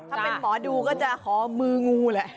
ถ้าเป็นหมอดูก็จะขอมืองูแหละ